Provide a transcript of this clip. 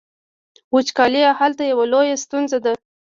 وچکالي هلته یوه لویه ستونزه ده.